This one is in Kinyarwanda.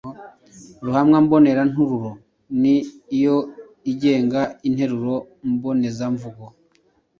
Ruhamwa mbonerantururo ni yo igenga interuro mbonezamvugo,